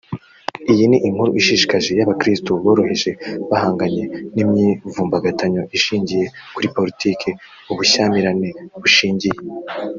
iyi ni inkuru ishishikaje y abakristo boroheje bahanganye n imyivumbagatanyo ishingiye kuri politiki ubushyamirane bushingiye